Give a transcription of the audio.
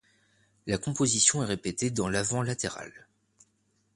La composition est répétée dans l'avant latéral.